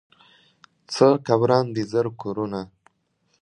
څه که وران دي زر کورونه